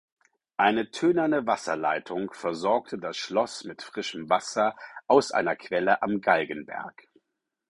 Eine tönerne Wasserleitung versorgte das Schloss mit frischen Wasser aus einer Quelle am Galgenberg.